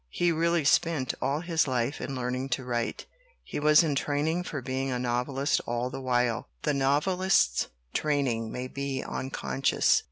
He really spent all his life in learning to write he was in training for being a novelist all the while. The novelist's training may be unconscious.